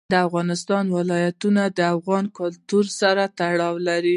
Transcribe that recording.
د افغانستان ولايتونه د افغان کلتور سره تړاو لري.